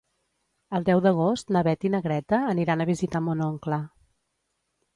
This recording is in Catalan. El deu d'agost na Beth i na Greta aniran a visitar mon oncle.